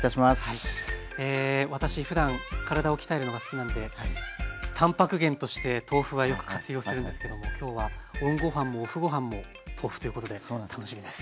え私ふだん体を鍛えるのが好きなんでたんぱく源として豆腐はよく活用するんですけども今日はＯＮごはんもＯＦＦごはんも豆腐ということで楽しみです。